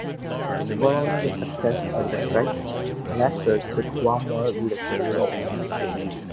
Following the success of the strike, Nestor took on more leadership roles.